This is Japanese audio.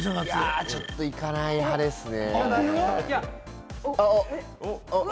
ちょっと行かない派ですね。